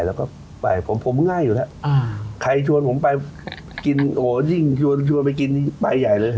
แล้วก็ไปผมผมง่ายอยู่แล้วใครชวนผมไปกินโอ้ยิ่งชวนไปกินไปใหญ่เลย